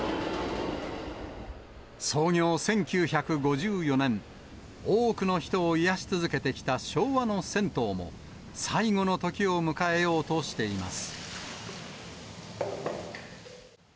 創業１９５４年、多くの人を癒やし続けてきた昭和の銭湯も、最後の時を迎えようとしています。